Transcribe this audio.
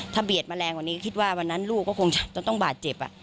ถ้าเบียดมาแรงกว่านี้คิดว่าวันนั้นลูกก็คงจะต้องบาดเจ็บ